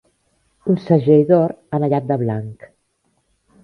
Un segell d'or anellat de blanc.